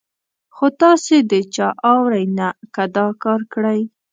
خو تاسې د چا اورئ نه، که دا کار کړئ.